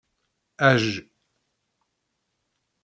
Ajj.